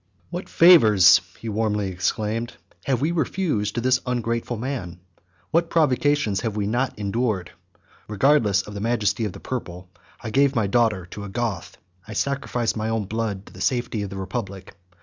"What favors," he warmly exclaimed, "have we refused to this ungrateful man? What provocations have we not endured! Regardless of the majesty of the purple, I gave my daughter to a Goth; I sacrificed my own blood to the safety of the republic.